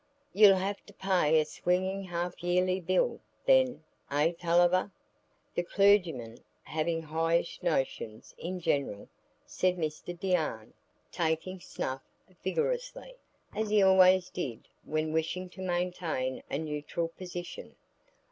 "You'll have to pay a swinging half yearly bill, then, eh, Tulliver? The clergymen have highish notions, in general," said Mr Deane, taking snuff vigorously, as he always did when wishing to maintain a neutral position.